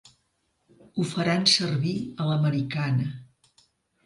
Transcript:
Ho faran servir a l'americana.